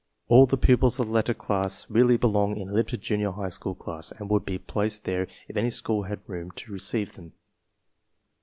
All the pupils of the latter class really belong in a limited junior high school class and would be placed there if any school had room to receive them.